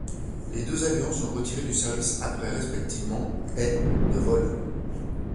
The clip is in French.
Les deux avions sont retirés du service après respectivement et de vol.